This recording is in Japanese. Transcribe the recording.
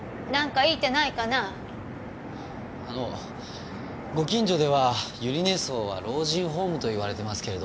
あのご近所では百合根荘は老人ホームと言われてますけれど。